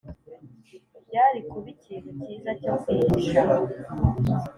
byari kuba ikintu cyiza cyo kwihisha,